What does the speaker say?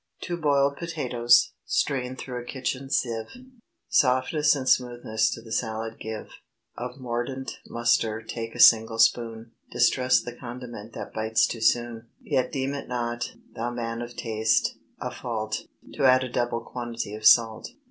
Two boiled potatoes, strained through a kitchen sieve, Softness and smoothness to the salad give; Of mordant mustard take a single spoon— Distrust the condiment that bites too soon; Yet deem it not, thou man of taste, a fault, To add a double quantity of salt.